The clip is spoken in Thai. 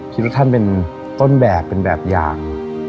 คิดว่าท่านเป็นต้นแบบเป็นแบบอย่าง